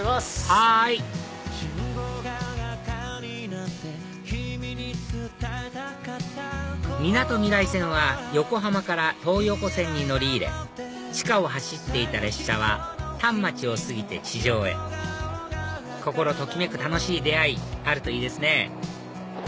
はいみなとみらい線は横浜から東横線に乗り入れ地下を走っていた列車は反町を過ぎて地上へ心ときめく楽しい出会いあるといいですね